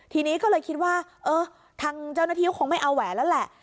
ทีนี้ก็เลยคิดว่าเออทางเจ้าหน้าที่ก็คงไม่เอาแหวนแล้วแหละ